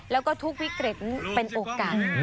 แล้วก็ทุกวิเครตเป็นโอกาส